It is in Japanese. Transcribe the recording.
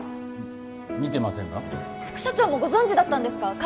見てませんが副社長もご存じだったんですか？